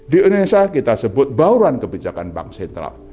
di indonesia kita sebut bauran kebijakan bank sentral